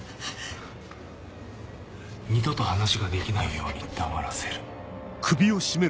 二度と話ができないように黙らせる。